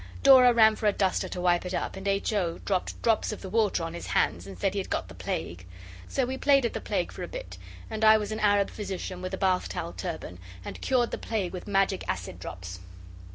Dora ran for a duster to wipe it up, and H. O. dropped drops of the water on his hands and said he had got the plague. So we played at the plague for a bit, and I was an Arab physician with a bath towel turban, and cured the plague with magic acid drops.